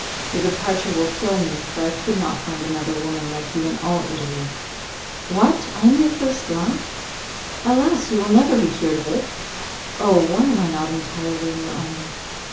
Your departure will kill me, for I could not find another woman like you in all Italy." "What! am I your first love? Alas! you will never be cured of it. Oh! why am I not entirely your own?